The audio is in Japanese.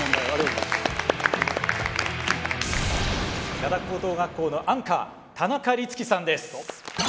灘高等学校のアンカー田中律輝さんです。